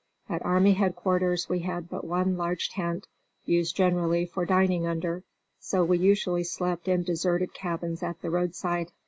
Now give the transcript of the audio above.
At army headquarters we had but one large tent, used generally for dining under; so we usually slept in deserted cabins at the roadside.